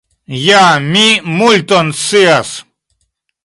Ja mi multon scias.